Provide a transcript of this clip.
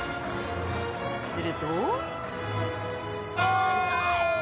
すると